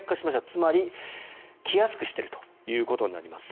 つまり、来やすくしているということになります。